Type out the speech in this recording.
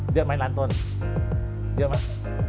เยอะไหมล้านต้นเยอะไหม